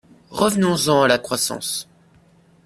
Revenons-en à la croissance.